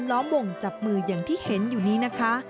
ล้อมวงจับมืออย่างที่เห็นอยู่นี้นะคะ